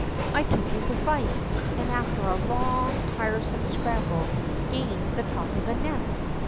I took his advice, and after a long, tiresome scramble gained the top of the nest.